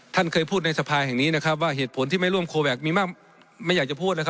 ท่านเคยพูดในสภาแห่งนี้นะครับว่าเหตุผลที่ไม่ร่วมโคแวคมีมากไม่อยากจะพูดนะครับ